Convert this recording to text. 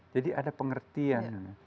jadi ada pengertian